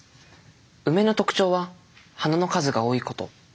ウメの特徴は花の数が多いこと。